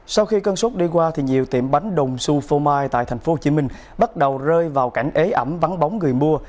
sau khi cơn sốt đi qua nhiều tiệm bánh đồng su phô mai tại tp hcm bắt đầu rơi vào cảnh ế ẩm vắng bóng người mua